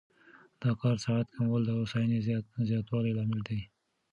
د کار ساعت کمول د هوساینې زیاتوالي لامل دی.